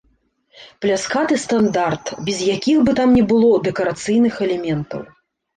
Пляскаты стандарт, без якіх бы там ні было дэкарацыйных элементаў.